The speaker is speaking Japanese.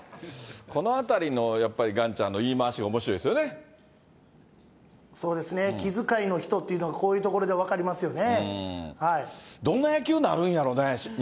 このあたりの言い回しがやっぱりガンちゃんの言い回しがおもそうですね、気遣いの人っていうのがこういうところで分かりますよね。